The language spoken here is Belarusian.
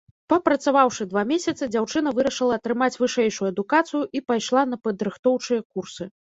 Папрацаваўшы два месяцы, дзяўчына вырашыла атрымаць вышэйшую адукацыю і пайшла на падрыхтоўчыя курсы.